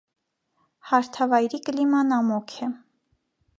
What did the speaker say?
Հարթավայրի կլիման ամոք է։